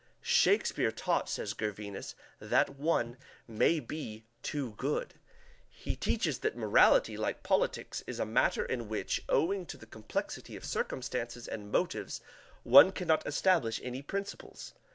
Shakespeare taught, says Gervinus, that one may be too good. He teaches that morality, like politics, is a matter in which, owing to the complexity of circumstances and motives, one can not establish any principles (p.